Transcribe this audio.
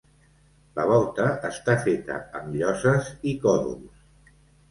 La volta està feta amb lloses i còdols.